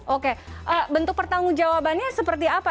oke bentuk pertanggungjawabannya seperti apa